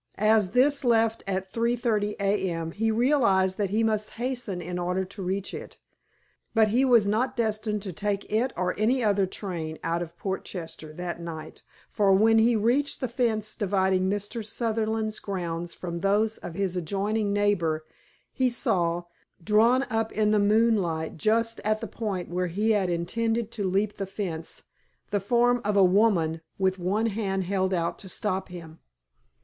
As this left at 3.30 A.M., he realised that he must hasten in order to reach it. But he was not destined to take it or any other train out of Portchester that night, for when he reached the fence dividing Mr. Sutherland's grounds from those of his adjoining neighbour, he saw, drawn up in the moonlight just at the point where he had intended to leap the fence, the form of a woman with one hand held out to stop him.